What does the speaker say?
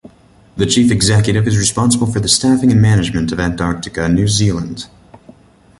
The Chief Executive is responsible for the staffing and management of Antarctica New Zealand.